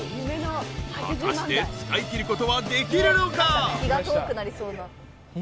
［果たして使いきることはできるのか？］